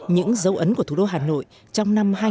những dấu ấn của thủ đô hà nội trong năm hai nghìn một mươi chín